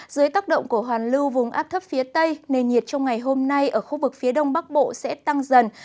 dưới tác động của hoàn lưu vùng áp thấp phía tây nền nhiệt trong ngày hôm nay ở khu vực phía đông bắc bộ sẽ tăng dần